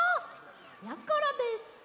やころです！